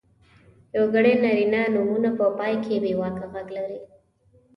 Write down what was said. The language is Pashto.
یوګړي نرينه نومونه په پای کې بېواکه غږ لري.